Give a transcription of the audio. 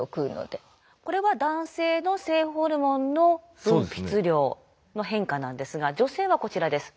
これは男性の性ホルモンの分泌量の変化なんですが女性はこちらです。